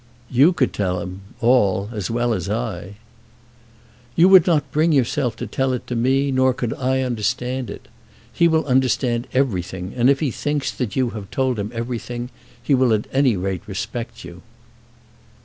"You could tell him all, as well as I." "You would not bring yourself to tell it to me, nor could I understand it. He will understand everything, and if he thinks that you have told him everything, he will at any rate respect you."